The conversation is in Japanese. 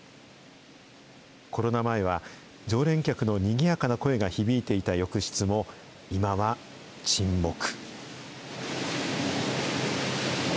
コロナ前は、常連客のにぎやかな声が響いていた浴室も、今は沈黙。